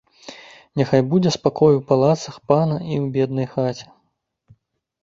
Няхай будзе спакой у палацах пана і ў беднай хаце.